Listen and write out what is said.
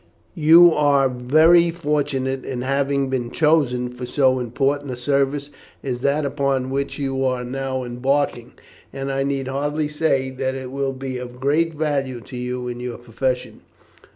You are very fortunate in having been chosen for so important a service as that upon which you are now embarking, and I need hardly say that it will be of great value to you in your profession."